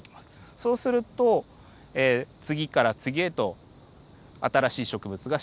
そうすると次から次へと新しい植物が侵入できる。